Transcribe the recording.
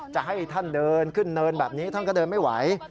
จะให้ท่านเดินขึ้นเนินแบบนี้ท่านก็เดินไม่ไหว